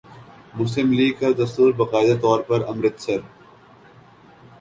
مسلم لیگ کا دستور باقاعدہ طور پر امرتسر